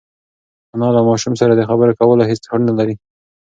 انا له ماشوم سره د خبرو کولو هېڅ هوډ نهلري.